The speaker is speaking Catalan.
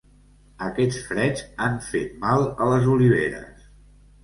Aquests freds han fet mal a les oliveres.